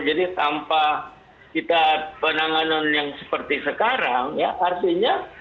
jadi tanpa kita penanganan yang seperti sekarang ya artinya